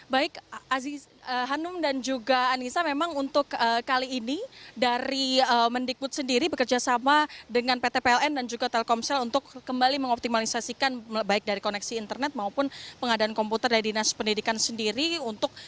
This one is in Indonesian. baik aziz hanum dan juga anissa memang untuk kali ini dari mendikbud sendiri bekerja sama dengan pt pln dan juga telkomsel untuk kembali mengoptimalisasikan baik dari koneksi internet maupun pengadaan komputer dari dinas pendidikan sendiri untuk